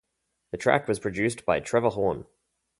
The track was produced by Trevor Horn.